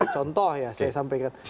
contoh ya saya sampaikan